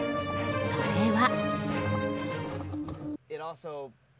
それは。